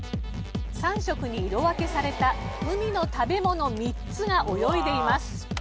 ３色に色分けされた海の食べ物３つが泳いでいます。